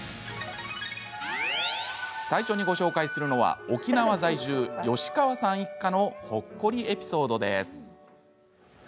最初にご紹介するのは沖縄在住、吉川さん一家のほっこりエピソードです。